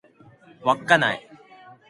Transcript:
稚内